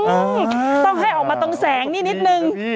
ต้องให้ออกมาตรงแสงนี่นิดนึง